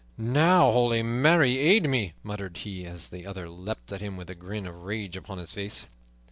"Now, Holy Mary aid me!" muttered he, as the other leaped at him, with a grin of rage upon his face.